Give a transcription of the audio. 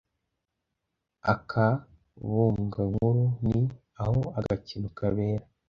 akabugankuru: ni aho agakino kabera.